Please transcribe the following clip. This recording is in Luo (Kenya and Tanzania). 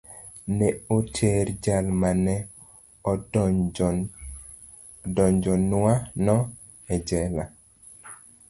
Ne oter jal ma ne odonjnwano e jela.